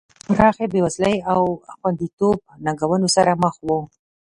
پراخې بېوزلۍ او خوندیتوب ننګونو سره مخ وو.